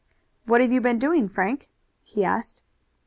"What have you been doing, Frank?" he asked.